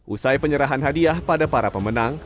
usai penyerahan hadiah pada para pemenang